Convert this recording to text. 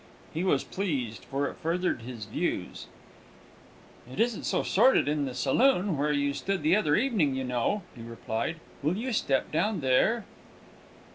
He was pleased, for it furthered his views. "It isn't so sordid in the saloon, where you stood the other evening, you know," he replied. "Will you step down there?"